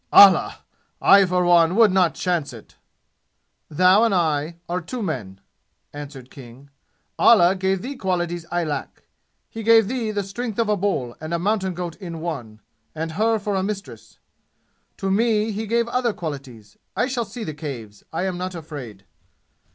Allah! I, for one, would not chance it!" "Thou and I are two men!" answered King. "Allah gave thee qualities I lack. He gave thee the strength of a bull and a mountain goat in one, and her for a mistress. To me he gave other qualities. I shall see the Caves. I am not afraid."